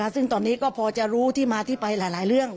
ซึ่งตอนนี้ก็พอจะรู้ที่มาที่ไปหลายเรื่อง